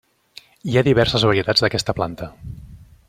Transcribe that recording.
Hi ha diverses varietats d’aquesta planta.